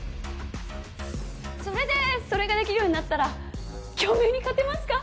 それでそれができるようになったら京明に勝てますか？